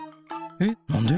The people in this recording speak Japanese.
えなんで？